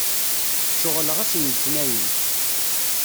Ceɣleɣ ass n letniyen.